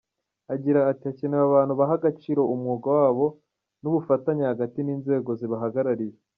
Agira ati “Hakenewe abantu baha agaciro umwuga wabo n’ubufatanye hagati y’inzego zibahagarariye.